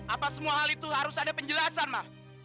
apa semua hal itu harus ada penjelasan mah